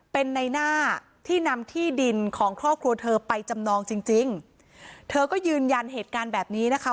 เป็นในหน้าที่นำที่ดินของครอบครัวเธอไปจำนองจริงจริงเธอก็ยืนยันเหตุการณ์แบบนี้นะคะ